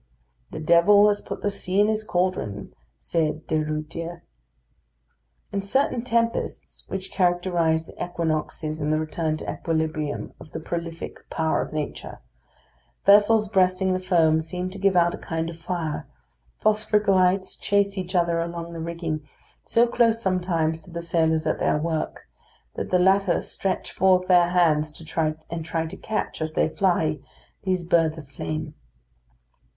"The devil has put the sea in his cauldron," said De Ruyter. In certain tempests, which characterise the equinoxes and the return to equilibrium of the prolific power of nature, vessels breasting the foam seem to give out a kind of fire, phosphoric lights chase each other along the rigging, so close sometimes to the sailors at their work that the latter stretch forth their hands and try to catch, as they fly, these birds of flame.